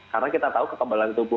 karena kita tahu kekebalan tubuh